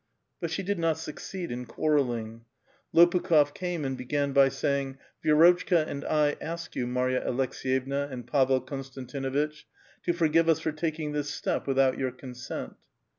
But she did not succeed in quarrelling. Lopukh6f came, and began by saying, '^ Vi^rotchka and I ask you, Marya Aleks<!jyevna and Pavel Konstantinuitch, to forgive us for taking this step without your consent."